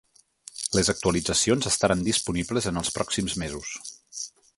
Les actualitzacions estaran disponibles en els pròxims mesos.